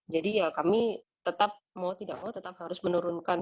jadi ya kami tetap mau tidak mau harus menurunkan